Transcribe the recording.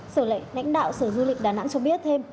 sở lệnh lãnh đạo sở du lịch đà nẵng cho biết thêm